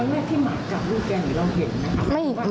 เมื่อที่มาจับลูกแกนี่เราเห็นไหมครับ